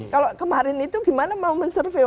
kalau kemarin itu gimana mau men survey